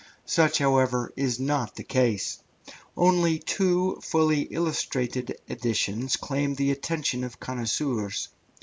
Such, however, is not the case. Only two fully illustrated editions claim the attention of connoisseurs.